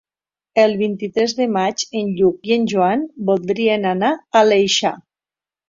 El vint-i-tres de maig en Lluc i en Joan voldrien anar a l'Aleixar.